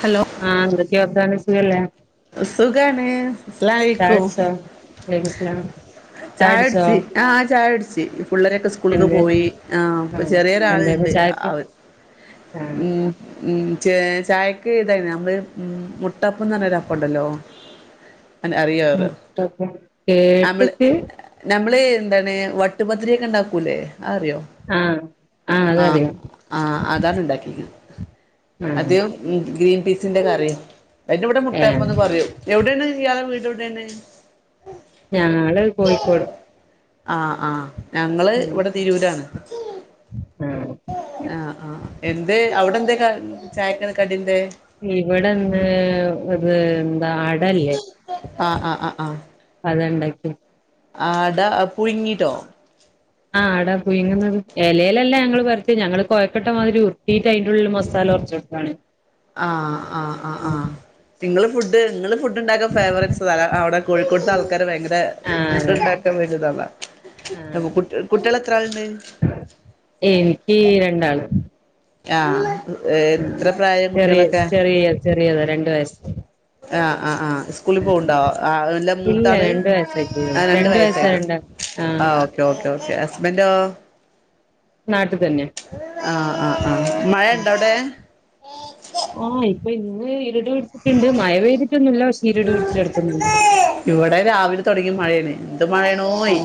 Hello ആ എന്തൊക്കെർത്താനം സുഖല്ലേ സുഖാണ് ചായ അസ്ലാലക്കും കുടിച്ചോ [unintelligible] വലൈക്കും സ്സലാം ചായ ടിച്ചു ആ ചായ ടിച്ചു പിള്ളേരൊക്കെ സ്കൂൾക്ക് എന്ത് പോയി ആ ഇപ്പൊ ആഹ് എന്തായിരുന്നു ചെറിയൊരാളുണ്ട് ചായക്ക് ആത് ഉ ആഹ് [unintelligible] ഉം ച് ചായക് ഇതാരുന്നു നമ്മള് ഉം മുട്ടപ്പന്ന് റഞ്ഞ ഒരപ്പോണ്ടല്ലോ മുട്ടപ്പം കേട്ടിട്ടു ണ്ടാണ് വട്ടുപത്രിയൊക്കെ ഉണ്ടാക്കൂല്ലേആറിയ്യോ ആഹ് ആഹ് ആ അതറിയാം ആ ആധാർ ഉണ്ടാക്കിക്കാണ് അത് ആഹ് [unintelligible] ഗ്രീൻ പീസിന്റെ കറി അതിന്റിവിടെ ഏഹ് മുട്ടപ്പന്ന് പറയും എവിടാണ് ഇയാൾടെ വീടെവിടെയാണ് ഞങ്ങള് കൊയ്ക്കോട് ആ ആ ഞങ്ങള് ഇവിടെ തിരൂരാണ് ആ ചന്ത് ചായക്ക് എന്താ കടിയന്തേ, ഇവിടെന്ന് ഒരൂ അടല്ലേ ആ ആ ആ അതണ്ടാകും ആ അടാ പുഴുങ്ങീ ട്ടോ ആ അടാ പുയുഗ്യുന്നത് ന്നത് എലേലല്ല ഞങ്ങള് വരത്തി ഞങ്ങള് കോഴക്കട്ട മാതിരി ഉരുടീട്ടു അതിന്റെയുള്ളിൽ മസാല [unintelligible] ണ [unintelligible] ആ ആ ആ നിങ്ങള് ഫുഡ് നിങ്ങള് ഫു--‌ ഫുഡ്ഡ്ണ്ടാക്കൻ ഫെവെറൈറ്റ് അവിടെ കോഴിക്കോട്ട്ത്തെ ആൾക്കാരെ ഭയങ്കര ആഹ് ഫുഡ്, അതെ ഉണ്ടാക്കാൻ വലുത് അതാ ആഹ് കുട്ട്, കുട്ട്യാള് എത്രളുണ്ട്. എനിക്ക് രണ്ടാള്. ആ ഉം എത്ര പ്രായം ചെറിയ കുട്ട്യാളൊക്കെ. ചെറിയ ചെറിയതാ രണ്ട് വയസ്സ് ആ ആ ആ സ്കൂളിൽ പോവുണ്ടോ, ആ ഇല്ല മൂത്താള് രണ്ട് വയസ്സായിട്ടൊള്ളൂ ആ രണ്ട് വയസ്സാ വയസ്സായിട്ട് രണ്ടാ ആ ആഹ് ഓക്കെ ഓക്കേ. ഒക്കെ ഒക്കെ ഹസ്ബന്റൊ, നാട്ട്തന്നെ. ആ ആഹ് ആ മഴ, ഇണ്ടോ അവിടെ. ഉം, ഇപ്പോ ഇന്ന് ഇരുട് ഇണ്ട്, മഴപെയ്തിട്ടൊന്നുല്ല ഇരട് പിടിച്ചുകടക്കുന്നുണ്ട്. ഇവിടെ രാവിലെ തുടങ്ങി മഴയാണ് എന്ത് ആ മഴയാണോയ്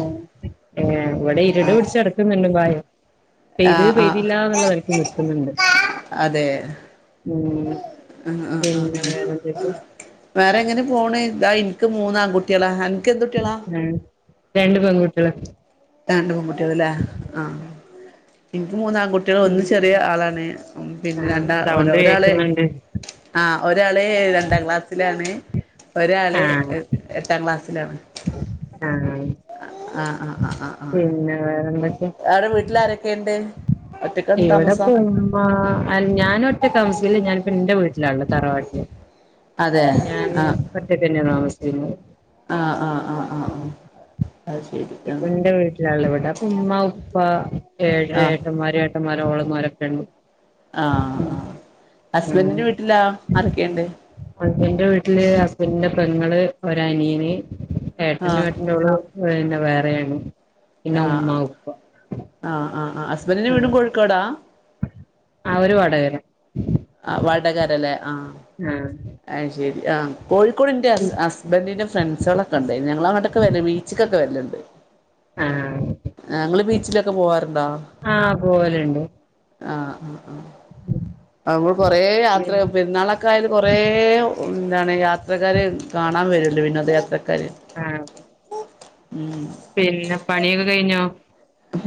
ഏ ഇവിടെ ഇരുട് പിടിച്ചുകടക്കുണ്ട് ബൈ ആ പൈത് ആ പൈതിലെന്നനിലക്ക് നിക്കുന്നുണ്ട്. അതെ, ഉം ഉം ഉം ഉം. പിന്നെ വേറെന്തൊക്കെ വേറെ എങ്ങനെ പോണ്, ഇതാ ഇനിക്ക് മൂന്ന് ആൺ കുട്ട്യാള്ള. ആഹ് രണ്ട് പെൺകുട്ട്യാള് രണ്ട് പേകുട്ട്യാള്ല്ലേ ആ ഉം. മൂന്നാൺകകുട്ട്യാള് ഒന്ന് ചെറിയ ആളാണ് പിന്നെ ആഹ് രണ്ടാ, സൗണ്ട് ഒരാള് കേക്കുന്നുണ്ട് ആ ഒരാള് ഏ രണ്ടാക്ലാസ്സിലാണ്. ഒരാള് ആഹ് ഏട്ട് എട്ടാംക്ലാസ്സിലാണ്. ആഹ ആഹാ ആ ആ ആ, അവിടെ വീട്ടിലാരൊക്കെണ്ട്. ഇവിടെപ്പൊ ഉമ്മ അ ഞാന് ഒറ്റക്കാ താമസിക്കല് ഞാനിപ്പോ ഇന്റെ വീട്ടില്. ലാള്ള് തറവാട്ടില് അതെ ഞാന് ആ ഒറ്റക്കെന്നെ താമസിച്ചിനെ. ആയിശേരി. ഇപ്പോ ഇന്റെ വീട്ടിലല്ലേ അപ്പോ ഉമ്മ ഉപ്പ ഏ ആ ആ ഏട്ടന്മാരെ ഏ ഏട്ടന്മാര് ഓളുമ്മാരോക്കണ്ട്. ആഹ് ആ ഹസ്ബന്റിന്റെ വീട്ടിലോ ആരൊക്കെയിണ്ട്. എന്റെ വീട്ടില്, ഹസ്ബന്റിന്റെ പെങ്ങള് ഒരനിയന് ഏട്ടനും ആഹ് ഏട്ടന്റെ ഓളും. അവര് പിന്നെ വേറെയാണ് പിന്നെ ഉമ്മ, ആഹ് ഉപ്പ. ആഹ് ആഹ് ആഹ് ഹസ്ബന്റിന്റെ വീട്ടും ആഹ് കോഴിക്കോടാ. അവര് വടക്കര. ആഹ്, വടക്കാരല്ലേ ആ ആഹ് ആയിശേരി ആ കോഴിക്കോട്, ഇന്റെ ഹസ്ബന്റിന്റെ ഫ്രണ്ട്സ്ളൊക്കെണ്ടായിന്, ഞങ്ങള് അങ്ങോട്ടൊക്കെ വരയിന്, ബീച്ച്ക്കൊക്കെ വരാല്ണ്ട്. ആഹ് ആ ഇങ്ങള് ബീച്ചിലൊക്കെ പോവാറുണ്ടാ. ആഹ് പോവലുണ്ട് അഹ് അഹ് അഹ് ആ ഇങ്ങള് കൊറേ യയാത്രയൊക്കെ പെരുന്നാലൊക്കെ, ആയാല് കൊറേയെ എന്താണ് യാ യാത്രക്കാര് കാണാൻവരൂല്ലേ വിനോദയാത്രക്കാര് ആഹ് പിന്നെ പണിയൊക്കെ കഴിഞ്ഞോ.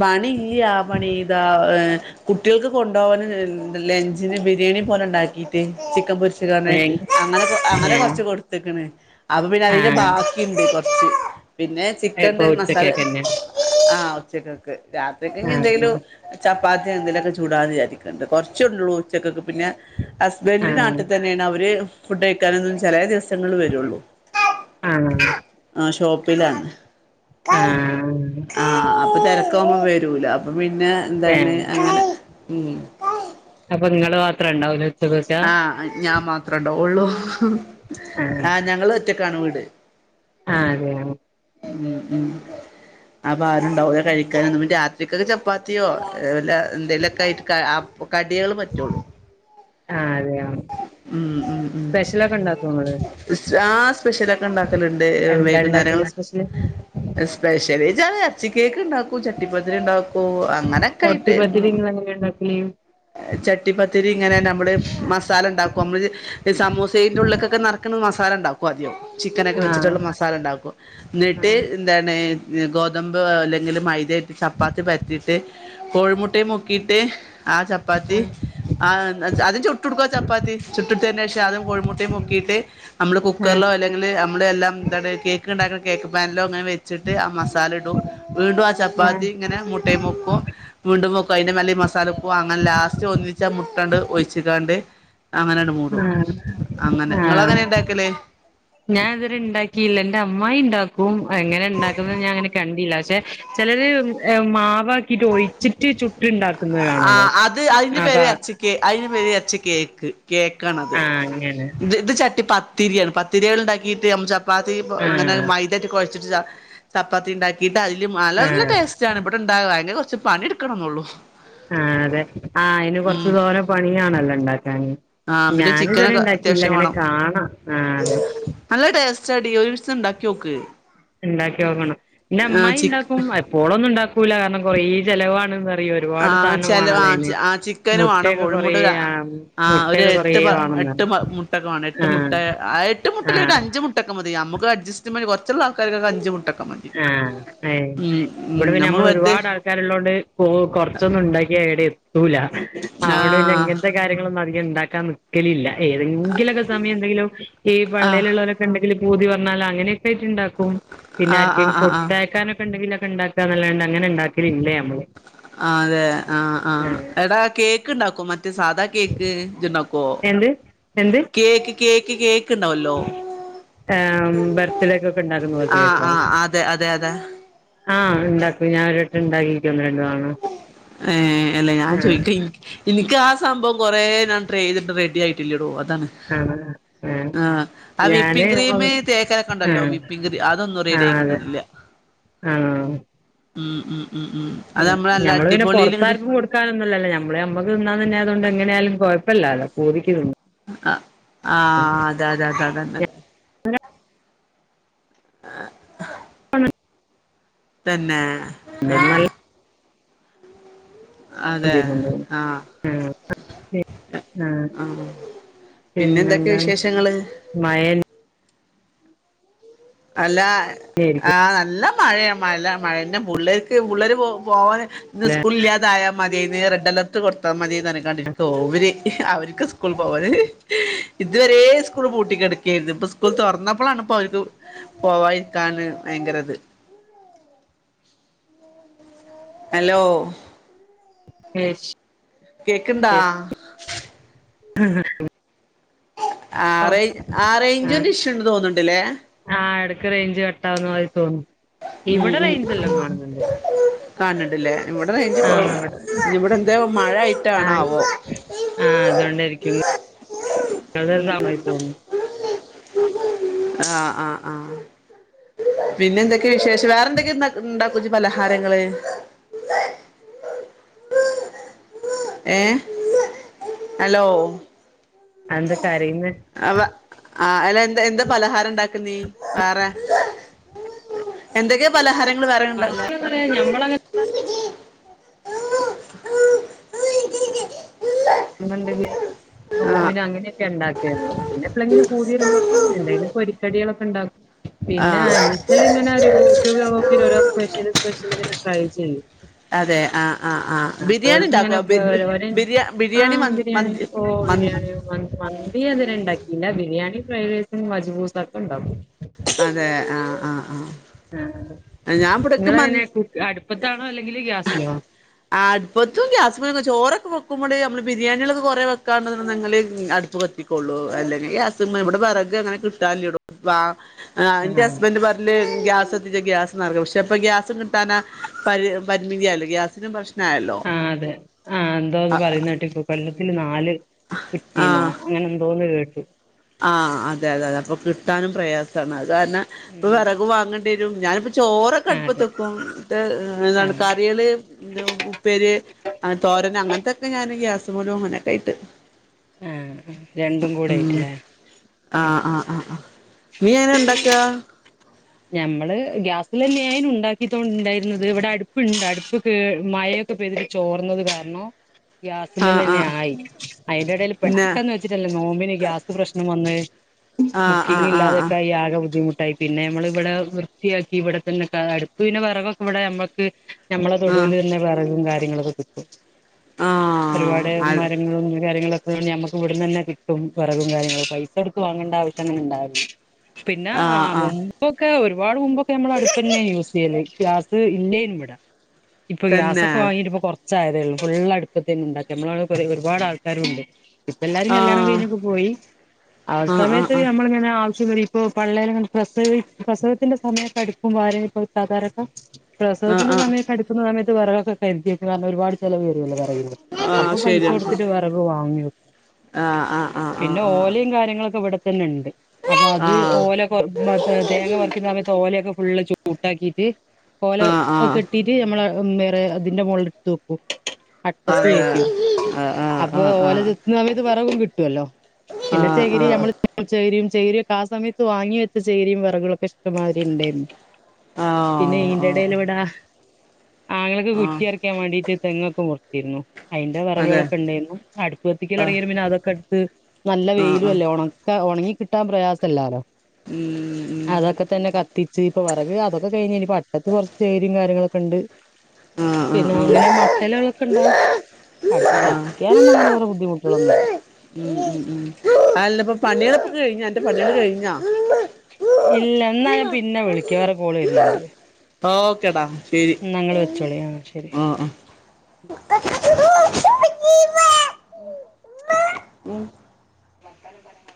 പണിഇല്ല്യ, പണിതാ ഏ കുട്ടികൾക്ക് കൊണ്ടോവാൻ ലെ ലെഞ്ചിന് ബി ബിരിയാണി പോലെ ഇണ്ടാക്കിട്ട് ചിക്കൻപൊരി വെച്ചിങ്ങാണ്ട്, ഏയ് അങ്ങനെ ഏഹ് അങ്ങനെകൊറച്ച് കൊടുത്ത്ക്കാണ് അപ്പോ പിന്നെ അതിന്റെ ആഹ് ബാക്കിണ്ട് കോ ഇച്ച് പിന്നെ ഇപ്പൊ ചിക്കണ്ട് മസാല ഉച്ചക്കേക്കന്നെ ആ ഉച്ചക്കക്ക്. രാത്രിക്ക് ഇനി ആഹ് എന്തേലും ചപ്പാത്തി എന്തേലും ഒക്കെ ചൂടാ എന്ന് വിചാരിക്ക്ണ്ട് കുറച്ചുണ്ടള്ളൂഉച്ചക്കക്ക് പിന്നെ ഹസ്ബന്റ്, ആഹ് നാട്ത്തെന്നെയാണ് അവര് ഫുഡ്‌ കഴിക്കെന്നും ചേലെ ദിവസ ങ്ങള് വരൊള്ളൂ ആഹ് ആഷോപ്പിലാണ്. കൈ ആഹ് ആഹ് അപ്പോ തിരക്കവുബോ വരുല്ല അപ്പോ പിന്നെ എന്താണ് ഏഹ് അങ്ങനെ ഉം അപ്പ ഇങ്ങള് മാത്രം ഇണ്ടാവൂ ആ ഞാൻ മാത്ര ഉണ്ടോ ഉള്ളൂ ആ ഞങ്ങള് ഒറ്റ ക്കാണ് വീട് ആ അതെയെ മ് മ് അപ്പൊ ആരുണ്ടാവൂല്ല കഴിക്കാനും പിനെ രാ [unintelligible] ചപ്പാത്തിയോ എന്തെലൊക്കെ ആയിട്ട് കടിയകള് പറ്റുള്ളൂ ആ അതെ [unintelligible] സ്പെഷ്യലൊക്കെ ഉണ്ടാക്കെ നിങ്ങള് ആ സ്പെഷ്യലൊക്കെ ഉണ്ടാക്കലുണ്ട് എന്താ ഇണ്ടാക്കല് വൈകുന്നേരങ്ങള സ്പെഷ്യല് സ്പെഷ്യല് [unintelligible] ഇറച്ചി കേക്ക് ഉണ്ടാക്കൂ ചട്ടിപ്പത്തിരി ഉണ്ടാക്കൂ അങ്ങനൊക്കെ ചട്ടി ആയിട്ട് പത്തിരി ഇങ്ങളെങ്ങനെ ഇണ്ടാക്കല് ചട്ടിപ്പത്തിരി ഇങ്ങനെ നമ്മള് മസ് ഉണ്ടാക്കും നമ്മ സമൂസേന്റെറ ഉള്ളിലക്കൊക്കെ നറക്ക്ണ മസാല ഉണ്ടാക്കും ആദ്യം ചിക്കനൊക്കെ ആഹ് വെച്ചിട്ടുള്ള മസാല ണ്ടാക്കും എന്നിട്ട് ആഹ് എന്താണ് ഗോതമ്പ് അല്ലെങ്കിൽ മൈദായിട്ട് ചപ്പാത്തി പരത്തിയിട്ട് കോഴിമുട്ടയും മുക്കിയിട്ട് ആ ചപ്പാത്തി ആഹ് ആ അതി ചുട്ട്ടുക്കുവ ചപ്പ ചുട്ടിട്ട് തന്നന് ശേഷം അതും കോഴിമുട്ടയും മുക്കിയിട്ട് നമ്മള് ആഹ് കുക്കറിലോ അല്ലെങ്കിൽ നമ്മള എല്ലാം എ കേക്ക് ഉണ്ടാക്കുന്ന കേക്ക് പാനിലോ അങ്ങനെ വെച്ചിട്ട് ആ മസാല ഇടും വീണ്ടും ആ ചപ്പാത്തി ആഹ് ഇങ്ങനെ മു മുട്ടയും മുക്കും വീണ്ടും മുക്കും അതിന്റെ മല്ല മസാല പും അങ്ങനെ ലാസ്റ്റ് ഒന്നിച്ചാ മുട്ടണ്ട് ഒഴിച്ചിക്കാണ്ട് അങ്ങനെട് മൂടും അങ്ങനെ ആഹ് നിങ്ങ എങ്ങനെ ആഹ് ഇണ്ടാക്കല് ഞാൻ ഇതവരു ഇണ്ടാക്കിയില്ല എന്റെ അമായി ഉണ്ടാക്കും എങ്ങനെ ഉണ്ടാക്കുന്ന ഞാൻ അങ്ങനെ കണ്ടില്ല പക്ഷെ ചിലര് മാവ് ആ കാണാലോ അത് അതിന്റെ അപ്പ പേരെ അച്ചക്ക് അതിന്റെ പേരെ അച്ചക്ക് കേക്ക് കേക്ക ആണത് ആഹ് അങ്ങനെ ഇത് ഇത് ചട്ടി പത്തിരിയാണ് പത്തിരികൾ ഉണ്ടാക്കിട്ട് ചപ്പാത്തി ഇങ്ങനെ ആഹ് മൈതട്ടി കുഴച്ചിട്ട് ചപ്പാത്തി ഉണ്ടാക്കിട്ട് അതില് നല്ല ആഹ് ടേസ്റ്റ് ആണ് ഇവിടെണ്ടാവുക അയിന് കുറച്ച് പണിയ എടുക്കണന്നള്ളു ആ അതെ ആ അയ്ന് കൊറച്ചു തോരം പണിയാണല്ലോ ഉണ്ടാക്ക ഞാന് ആ പിന്നെ ഞാന് ഇത് വരെ ചിക്കനൊക്കെ ഇണ്ടാക്കിയില്ല അത്യാവശ്യം അങ്ങനെ വേണം കാണാം ആ അതെ സ്റ്റഡിയഴസ് [unintelligible] ഉണ്ടാക്കി നോക്ക് ഉണ്ടാക്കി നോക്കണം എന്റെ ആ അമ്മായി ചിക്ക് ഉണ്ടാക്കും എപ്പോഴൊന്നും ഉണ്ടാക്കൂല കാരണം കൊറേ ചെലവാണ് ആ ഒരുപാട് സാധനം ചില വേണല്ലോ ആ അയ്ന് ആ ചിക്കന് വേണം മുട്ടക്കെ കൊറ കോഴിമുട്ട ഒരു ആ ഒരു മുട്ടക്കെ കൊറ എട്ട് വേ എട്ട് മുട്ടക്കമാണ് എട്ട് മുട്ട എട്ട് മുട്ടൽട്ട ആഹ് അഞ്ച് മുട്ടക്കെ മതി നമ്മുക്ക് അഡ്ജസ്റ്റ് കുറുള്ള ആൾക്കൊക്ക അഞ്ച് മുട്ട ആ അ ഉം ഇവിടെ പിന്ന നമ്മൾ വെറുതെ ഒരുപാട് ആൾക്കാർള്ളോണ്ട് പോ കൊറച്ചൊന്നും ഉണ്ടാക്കി എവിടെ എത്തൂല അവിടെ ആഹ് അങ്ങനത്തെ കാര്യങ്ങളൊന്നും ഉണ്ടാക്കാൻ നക്കലില്ല ഏതെങ്കിലുമൊക്കെ സമയം എന്തെങ്കിലും ഈ ആഹ് പള്ളയിലുള്ളവരൊക്കെ ഉണ്ടെങ്കിലും പൂതി പറഞ്ഞാൽ അങ്ങനെയൊക്കെ ആയിട്ട് ഉണ്ടാക്കും പിന്നെ ആഹ് ആർക്കെയ് ആഹ് ആഹ് ആഹ് കൊടുത്തയക്കാനൊക്കെ ഉണ്ടെങ്കിൽ ഒക്കെ ഉണ്ടാക്കുകല്ലാണ്ട് അങ്ങനെ ഉണ്ടാക്കല് ഇല്ല ഞാൻ ആ അതെ ആ ആ എടാ കേക്ക് ഉണ്ടാക്കോ മറ്റേ സാധാ കേക്ക് ഇണ്ടാക്കോ എന്ത് എന്ത് കേക്ക് കേക്ക് കേക്ക് ഉണ്ട വല്ലോ ആ ബർത്തിടേക്ക് ഒക്കെ ഉണ്ടാക്കുന്ന പോലത്തെ ആഹ് കേക്കോ ആഹ് അതെ അതെ അതെ ആ ഉണ്ടാക്കും ഞാനൻ ഒരുട്ട് ഉണ്ടാക്കിക്ക്ണ് ഏ അല്ലേ ഞാൻ ആഹ് ചോദിക്ക എനിക്ക് ആ സംഭം കൊറേ ഞൻട്ര ചെയ്തിട്ട് റെഡി ആയിട്ടില്ലേടോ അത് ആ ആ ആ വിപ്പിംഗ ക്രീം തേക്കലെക്കെ ഉണ്ടല്ലോ ആഹ് വിപ്പിങ് ക്രീം അതൊന്നും റെഡി ആയി കിട്ട്ണില്ല ആ ഉം ഉം ഉം ഉം അത് നമ്മള് നല്ല ഞമ്മള് അടിപൊളിയില് ഇങ്ങട് പിന്നെറത്തർക്കും കൊടുക്കാനൊന്നല്ലേ നമ്മള നമ്മക്ക് തിന്ന തന്നെ അതുകൊണ്ട് എങ്ങനെയായാലും ഇപ്പല്ലല്ല പോതിക്കുന്നു ആ ആ അത അതെ അത അതന്ന ആ തന്നെ ന്ത ആഹ് മല്ല അതെ ആഹ് [unintelligible] ആ [unintelligible] ആ ആഹ് പിന്നെ എന്തൊക്കെ പിന്നെന്താ വിശേഷങ്ങള് മയ അല്ല ആ മഴന്നേര്ക്കും നല്ല മഴയ മല മഴന്ന പുള്ളർക്ക് പുള്ളര് പോ പോകെ ഇന്ന് സ്കൂള ഇല്ലാതായ മതിയേന്ന് റെഡ് അലർട്ട് കൊടുത്താൽ മതിയേന്ന്നക്കാണ്ടിരിയ്ക്ക്ഓര് അവർക്ക് സ്കൂള പോവാന് ഇതുവരെ സ്കൂള് പൂട്ടി കിടക്കുകായിരുന്നു ഇപ്പൊ സ്കൂൾ തുറന്നപ്പോഴാണ് ഇപ്പോ അവർക്ക് പോവതിരിക്കാണ് ഭയങ്കരത് ഹലോ അ കേക്കണ്ടാ ആ ആ ആറ ആഹ് ആറേഞ്ച്ണ്ട് ഇഷ്യു ഉണ്ടന്ന് തോന്നണ്ടില്ലേ ആഹ് എടക്ക് റേഞ്ച് കട്ടാതി തോന്നും ഇവിടെ റേഞ്ച്ല്ലാം കാണുന്നുണ്ട് കാണണ്ട്ല്ലേ ഇവിടെ കഴ ആഹ് ഇവിടെ ഇവിടെ എന്താ ആഹ് മഴയിട്ടാണാവോ സദസാ മഹട്ടു അ [unintelligible] ആ ആ ആ പിന്നെ എന്തൊക്കെയ വിശേഷം വേറെന്തൊക്കെയ പുതി പലഹാരങ്ങള് ഏ ഹലോ എന്തൊ കരയുന്നെ അവ ആ അല്ല എന്താ എന്താ പലഹാരം ഉണ്ടാക്ക നീ വേറെ എന്തൊക്കെയാ പലഹാരങ്ങൾ വേറെുണ്ട അല്ലാതെ പറയാ ഞമ്മള ണ്ട് ആഹ് നോമ്പിന അങ്ങനെയൊക്കെ ഉണ്ടാക്കരുന്നു പിന്നെപ്പളെങ്കിലും പുതിയ മുളക്ക എന്തായാലും പൊരിക്കടികളൊക്കെ ഉണ്ടാക്കും പിന്നെ ആഹ് അനീത്തൽ ഇങ്ങനെ ഒരു യൂട്യൂബ് നോക്കി ഓരോ സ്പെഷ്യല് സ്പെഷ്യല് ഇങ്ങനെ ട്രൈ ചെയ്യും അതെ ആ ആ ആ ബിരിയാണി ഉണ്ടാക്കോ ബി ബിരിയാ ബിരി ആ ബിരിയാണി ഓ ബിരിയാണിയ മന്ത് മന്തി അത്ണ്ടാക്കില്ല ബിരിയാണി യിൽവേസും വജപൂസ ഒക്കെ ഉണ്ടാവും അതെ ആ ആ ആ ആ നിങ്ങള അങ്ങനെ അടുപ്പത്താണോ അല്ലെങ്കില് ഗ്യാസിനോ അടുപ്പും ഗ്യസമൊ ചോറൊക്കെ വെക്കുമ്പോഴ നമ്മള് ബിരിയാണികളൊക്കെ കൊറെ വെക്കാ നിങ്ങള് അ അപ്പ് കത്തിക്കൊള്ളു അല്ലെങ്ക ഗ്യാസുമി ഇവിടെ വിറഗ അങ്ങനെ കിട്ടല്ലേട വ ആ എന്റെ ആഹ് ഹസ്ബൻഡറ് പറഞ്ഞേ ഗ്യാസ് എത്തിച്ച ഗ്യാസ് നടക്കും പക്ഷെ അപ്പ ഗ്യാസും കിട്ടാനാ പരി പരിമിതിയല്ലോ ഗ്യാസിനും പ്ര ആ അതെ ആ എന്താന്ന് പറയുന്ന കേട്ട് ഇപ്പൊ കൊള്ളത്തില് നാല് കുറ്റീന്നോ അങ്ങനെ എന്തോന്ന് കേട്ട ആ അതെ അതെ അതെ അപ്പൊ കിട്ടാനും പ്രയാസമാണ് അത് കാരണം ഇപ്പൊ ഉം വിറക് വാങ്ങ ണ്ടി വരും ഞാനിപ്പ ചോറൊക്കെ ആഹ് അതെ അടുപ്പത്ത് വക്കും എന്താണ് ആഹ് കറികള് എ ഉപ്പേര് തോരന അങ്ങനത്തെയൊക്കെ ഞാൻ ഗ്യാസുമേലു അങ്ങനൊക്കെ ഇട്ട് ആ രണ്ടും കൂടെ ആയിട്ടില്ലേ ആ ആ ആ ആ നീ എങ്ങനെ ഉണ്ടാക്ക ഞമ്മള് ഗ്യാസിലല്ലായും ഉണ്ടാക്കിട്ടോണ്ട്ണ്ടായിരുന്നത് ഇവിടെ അടുപ്പുണ്ട് അടുപ്പ് കേ മഴ പതി ചോർന്നത് കാരണോ ആഹ് ഗ്യാസിമ്മലന്നെ ആഹ് ആയി അതിന്റെ ഇടയിൽ പിന്നെ പെട്ടെന്ന് വെച്ചിട്ടല്ലേ നോമ്പിന് ഗ്യാസ് പ്രശ്നം വന്ന് ആഹ് ആഹ് ബുക്കിങ്ങ് ആഹ് ഇല്ലാതൊക്കായി ആകെ ബുദ്ധിമുട്ടായി പിന്നെ നമ്മള് ഇവിടെ വൃത്തിയാക്കി ഇവിടെ തന്നെട്ട് അടുപ്പ് പിന്നെ വെറകൊക്കെ വടെഞ മ്മക്ക് ഞമ്മളെ ആഹ് തൊടുവില് തന്നെ വറകും കാര്യ ആഹ് ആഹ് ഒരുപാട് അത് ആഹ് ആഹ് മരങ്ങളും കാര്യങ്ങളൊ [unintelligible] ഞമ്മക്ക് ഇവിടന്ന് തന്നെ കിട്ടും വറകും കാര്യങ്ങളും പൈസ കൊടുത്ത് വാങ്ങേണ്ട ആവശ്യന്നുംണ്ടാവലി പിന്നെ ആ മുമ്പൊക്കെ ഒരുപാട് മുമ്പൊക്കെ ഞമ്മൾ അടുപ്പന്നെ യൂസ് ചെയ്യല്. ഗ്യാസ് ഇല്യാനും വിടെ ഇപ്പൊ തന്നെ ഗ്യാസൊക്കെ വാങ്ങിട്ട ഇപ്പ കൊ ച്ചായതേ ള്ളൂ ഫുള്ളടുപ്പത്തി തന്നെ ണ്ടാക്കി ഞമ്മളെവടെ കുറെ ഒരുപാട് ആൾക്കാരുണ്ട്. ഇപ്പ എല്ലാരേം കല്യാണം ആഹ് കഴിഞ്ഞൊക്കെ പോയി ആ ആഹ് ആഹ് സമയത്ത് ആഹ് നമ്മളിങ്ങനെ ആവ് [unintelligible] പ്രസവത്തിന്റെ സമയത്ത് അടുപ്പും [unintelligible] പ്രസവത്തിന്റെ ആഹ് ആഹ് സമയത്ത് [unintelligible] സമയത്ത് വിറകൊക്കെ കരുതിവെക്കും കാരണം ഒരുപാട് ചിലവ് വരൂലോ [inaudible] അപ്പൊ ആഹ് പൈസ ശരിയാണ് ശരി കൊടുത്തിട്ട് വിറക് വാങ്ങിവെ ആഹ് ആഹ് ആഹ് ആഹ് പിന്നെ ആഹ് ഓലയും കാര്യങ്ങളൊക്കെ ഇവിടെ തന്നെ ണ്ട്. അപ്പൊ അത് ആഹ് ഓല പൊ [unintelligible] ഈ സമയത്ത് ഓലൊക്കെ ഫുള്ള് ചൂട്ടാക്കിയിട്ട് ഓല ആഹ് ആഹ് കെട്ടീട്ട് നമ്മള ഉം വേറെ അതിന്റെ മോളി ലിടുത്ത് വെക്കും. അട്ടത്ത് അതെ കയറ്റി വെക്കും ആഹ് ആഹ് അപ്പൊ ആഹ് ഓല ചെത്തുന്ന ആമയത്ത് [unintelligible] കിട്ടുവല്ലോ ആഹ് പിന്നെ ആഹ് ചെകരി ആഹ് ഞമ്മൾ ചേരിം ചേരിക്കെ ആ സമയത്ത് വങ്ങി വെച്ച ചേരിം വെ റകളൊക്കെ ഇഷ്ടമാതിരി ണ്ടായിരുന്നു പിന്നെ ആഹ് ഇന്റെ ഇടൽ ഓഹ് ഇവിടെ- ആങ്ങളക്ക് ആഹ് കുറ്റി അറിക്കാൻ വേണ്ടിയിട്ട് തെങ്ങൊക്കെ മുറച്ചിരുന്നു. അയിന്റെ അതെ വറവുകളൊക്കെ ഉണ്ടായിനു ക്ഷെ അടുപ്പ് കത്തിക്കൽ ആഹ് തുടങ്ങിയാരേ പിന്നെ അതൊക്കെട്ത്ത് നല്ല ആഹ് വെയിലും ആഹ് അല്ലേ ഉണക്കാ ഉണങ്ങി കിട്ടാൻ പ്രയാസല്ലാലോ. ഉം ഉം ഉം ഉം അതൊക്കെ തന്നെ കത്തിച്ച് ഇപ്പൊ വിറക് അതൊക്കെ കഴിഞ് ഞ്ഞിപ്പ അ ട്ടത്ത് കുറച്ച് ചേരിം കാര്യങ്ങളൊക്കെ ണ്ട്. ആഹ് പിന്നെ ആഹ് അങ്ങനെ മട്ടലുകളൊക്കെ ആഹ് ണ്ടാവും. അടുപ്പ് ആഹ് കത്തിയാനൊന്നും അങ്ങനെ ഒരു ബുദ്ധിമുട്ടുകളൊന്നുല്ല. ഉം ഉം [unintelligible] അന്റെ പണികള് കഴിഞ്ഞാ? ഇല്ല ന്ന ഞാൻ പിന്നെ വിളിക്ക വേറെ കോള് വരുന്നുണ്ട്. ഓക്കെടാ. ശരി ന്ന ഇങ്ങള് വെച്ചോളെ ആഹ് ആ ശെരി. ആഹ് ഉം. [unintelligible]